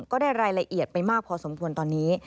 ก็ได้รายละเอียดไปมากพอสมควรตอนนี้